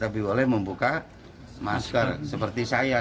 tapi boleh membuka masker seperti saya